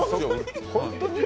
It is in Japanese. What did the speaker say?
本当に？